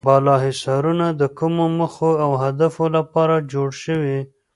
بالا حصارونه د کومو موخو او هدفونو لپاره جوړ شوي.